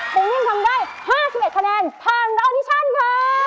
ผู้นิ่มทำได้๕๑คะแนนผ่านและออดิชันค่ะ